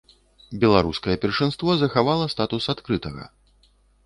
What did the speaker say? Беларускае першынство захавала статус адкрытага.